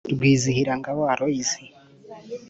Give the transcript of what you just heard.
rwizihirangabo aloys